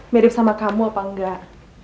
mirip sama kamu apa enggak